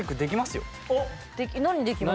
何できます？